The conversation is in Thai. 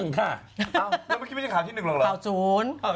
เอาเรื่องนี้ไม่ใช่ข่าวที่๑หรอกนะ